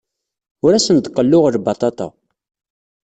Ur asen-d-qelluɣ lbaṭaṭa.